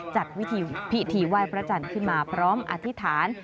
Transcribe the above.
จัดวิธีว่ายพระราชันขึ้นมาพร้อมอธิฐาน